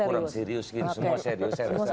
kurang serius semua serius